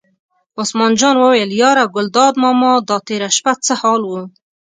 عثمان جان وویل: یاره ګلداد ماما دا تېره شپه څه حال و.